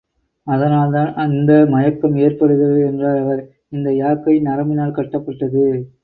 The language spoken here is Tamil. அதனால் தான் இந்த மயக்கம் ஏற்படுகிறது என்றார் அவர். இந்த யாக்கை நரம்பினால் கட்டப்பட்டது.